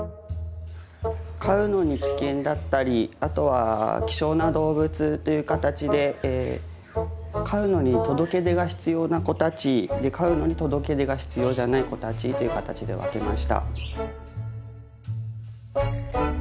飼うのに危険だったりあとは希少な動物という形で飼うのに届出が必要な子たち飼うのに届出が必要じゃない子たちという形で分けました。